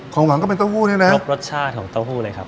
ของหวานก็เป็นเต้าหู้นี่นะรสชาติของเต้าหู้เลยครับ